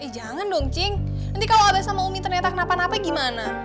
eh jangan dong cim nanti kalau abes sama umi ternyata kenapa napa gimana